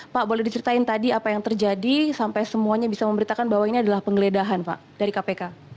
pak boleh diceritain tadi apa yang terjadi sampai semuanya bisa memberitakan bahwa ini adalah penggeledahan pak dari kpk